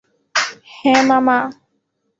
হ্যাঁ, মামা।